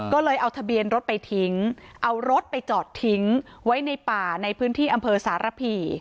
ก็เลยเอาทะเบียนรถไปทิ้งเอารถไปจอดทิ้งไว้ในป่าในพื้นที่อำเภอสารพี